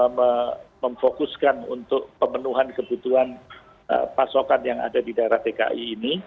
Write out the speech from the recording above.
kita memfokuskan untuk pemenuhan kebutuhan pasokan yang ada di daerah dki ini